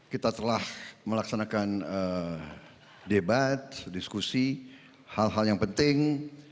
kita telah melaksanakan debat diskusi hal hal yang penting